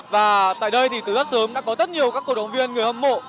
và tại đây thì từ rất sớm đã có rất nhiều các cổ động viên người hâm mộ